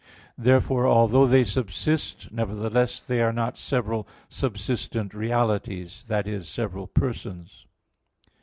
Therefore, although they subsist, nevertheless they are not several subsistent realities that is, several persons.